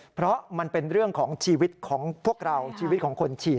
เพราะมันเป็นเรื่องของชีวิตของพวกเราชีวิตของคนฉีด